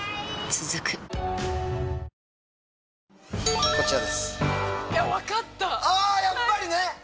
続くやっぱりね！